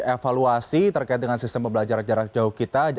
jadi evaluasi terkait dengan sistem pembelajaran jarak jauh kita